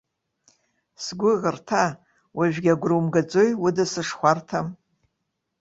Сгәыӷырҭа, уажәгьы агәра умгаӡои уда сышхәарҭам!